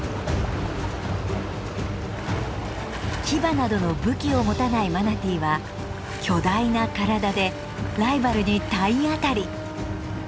牙などの武器を持たないマナティーは巨大な体でライバルに体当たり。